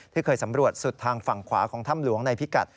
เคยสำรวจสุดทางฝั่งขวาของถ้ำหลวงในพิกัด